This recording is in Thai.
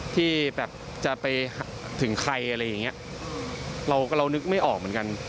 ที่จะไปถึงใครอะไรอย่างนี้เรานึกไม่ออกเหมือนกัน